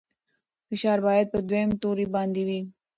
فشار باید په دویم توري باندې وي.